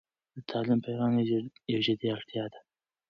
د تعلیم پیغام یو جدي اړتيا ده.